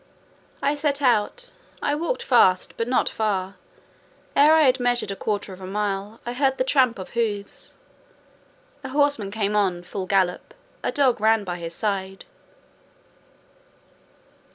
I set out; I walked fast, but not far: ere I had measured a quarter of a mile, I heard the tramp of hoofs; a horseman came on, full gallop; a dog ran by his side.